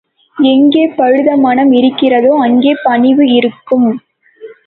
எங்கே பழுத்த மனம் இருக்கிறதோ அங்கே பணிவு இருக்கும்.